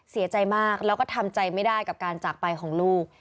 เสียใจมากแล้วก็ทำใจไม่ได้กับการจากไปของลูก